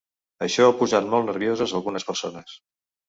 Això ha posat molt nervioses algunes persones.